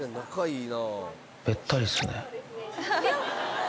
べったりですね。